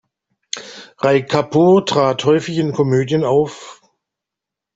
Raj Kapoor trat häufig in Komödien auf.